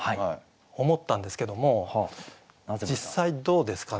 思ったんですけども実際どうですかね？